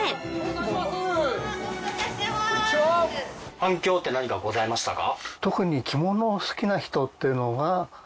反響って何かございましたか？